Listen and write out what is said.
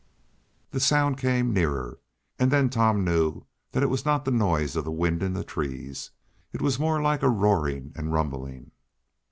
The sound came nearer, and then Tom knew that it was not the noise of the wind in the trees. It was more like a roaring and rumbling.